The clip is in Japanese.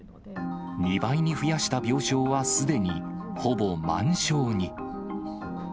２倍に増やした病床は、すでにほぼ満床に。